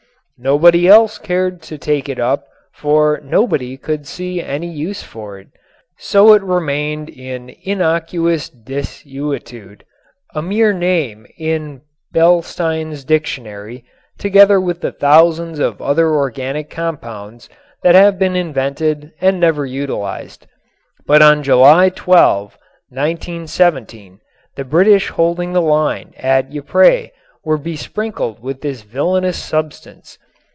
Nobody else cared to take it up, for nobody could see any use for it. So it remained in innocuous desuetude, a mere name in "Beilstein's Dictionary," together with the thousands of other organic compounds that have been invented and never utilized. But on July 12, 1917, the British holding the line at Ypres were besprinkled with this villainous substance.